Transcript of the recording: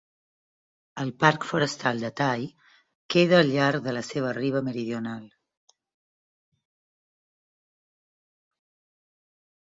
El parc forestal de Tay queda al llarg de la seva riba meridional.